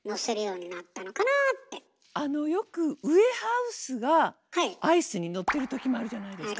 あのよくウエハースがアイスにのってる時もあるじゃないですか。